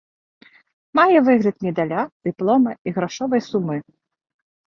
Мае выгляд медаля, дыплома і грашовай сумы.